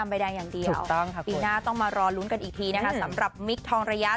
ปีหน้าต้องมารอลุ้นกันอีกทีนะคะสำหรับมิคทองระยะ